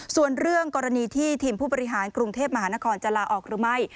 ส่วนเรื่องกรณีที่ทีมผู้บริหารกรุงเทพมหานครจะลาออกหรือไม่